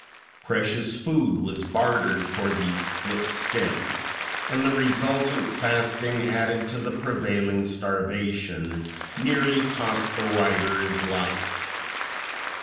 Precious food was bartered for these split stems, and the resultant fasting added to prevailing starvation nearly cost the writer his life.